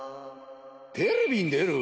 テレビに出る？